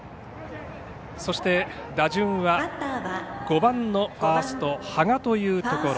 そして打順は５番のファースト垪和というところ。